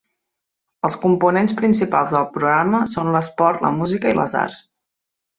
Els components principals del programa són l'esport, la música i les arts.